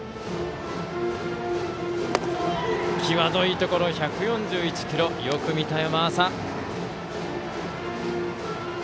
際どいところ、１４１キロよく見た、山浅。